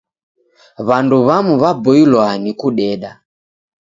W'andu w'amu w'aboilwaa ni kudeda.